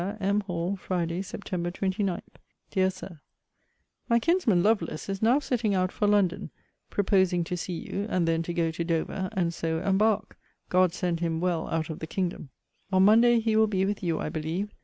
M. HALL, FRIDAY, SEPT. 29. DEAR SIR, My kinsman Lovelace is now setting out for London; proposing to see you, and then to go to Dover, and so embark. God send him well out of the kingdom! On Monday he will be with you, I believe.